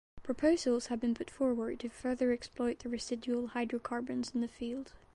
Proposals have been put forward to further exploit the residual hydrocarbons in the field.